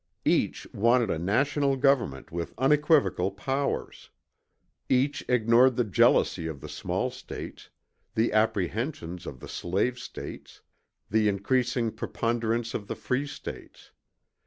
Each wanted a national government with unequivocal powers. Each ignored the jealousy of the small States, the apprehensions of the slave States, the increasing preponderence of the free States.